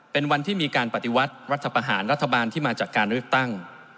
เป็นวันที่มีการปฏิวัติรัฐประหารรัฐบาลที่มาจากการเลือกตั้ง